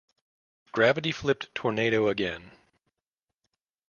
Gravity flipped Tornado again.